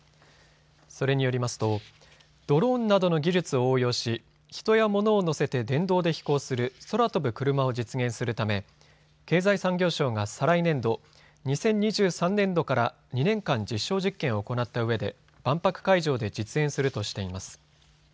それによりますとドローンなどの技術を応用しヒトやモノを乗せて電動で飛行する空飛ぶクルマを実現するため経済産業省が再来年度２０２３年度から２年間実証実験を行ったうえで万博会場で実演するとしています。